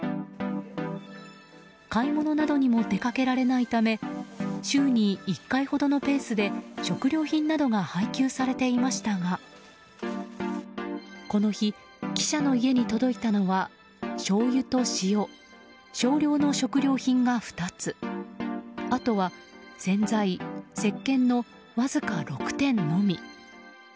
買い物などにも出かけられないため週に１回ほどのペースで食料品などが配給されていましたがこの日、記者の家に届いたのはしょうゆと塩少量の食料品が２つあとは洗剤、せっけんのわずか６点のみ。